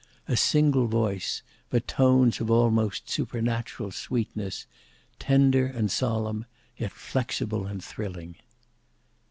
A single voice; but tones of almost supernatural sweetness; tender and solemn, yet flexible and thrilling.